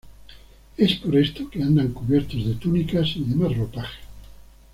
Es por esto que andan cubiertos de túnicas y demás ropajes.